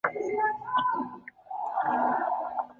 博沙斯泰人口变化图示